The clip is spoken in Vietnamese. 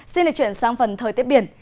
xin đề chuyển sang phần thời tiết biển